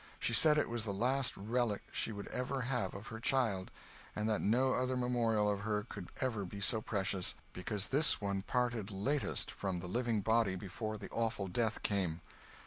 She said it was the last relic she should ever have of her child; and that no other memorial of her could ever be so precious, because this one parted latest from the living body before the awful death came.